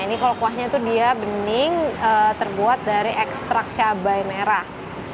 ini kalau kuahnya itu dia bening terbuat dari ekstrak cabai merah